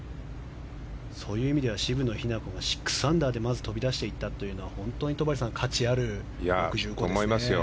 そういう意味では渋野日向子の６アンダーで飛び出していったのは本当に戸張さん価値あることですね。